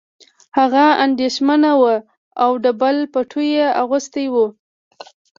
هغه اندېښمنه وه او ډبل پټو یې اغوستی و